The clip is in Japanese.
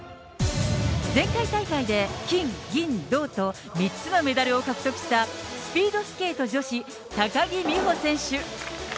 前回大会で金、銀、銅と３つのメダルを獲得したスピードスケート女子、高木美帆選手。